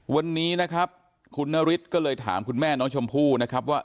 วันนี้นะครับคุณนฤทธิ์ก็เลยถามคุณแม่น้องชมพู่นะครับว่า